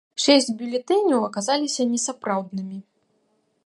Шэсць бюлетэняў аказаліся несапраўднымі.